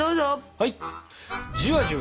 はい！